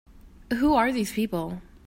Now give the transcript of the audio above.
Who are these people?